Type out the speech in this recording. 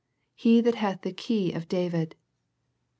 " He that hath the key of David."